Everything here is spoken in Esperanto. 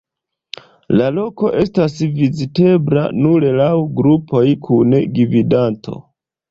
La loko estas vizitebla nur laŭ grupoj, kun gvidanto.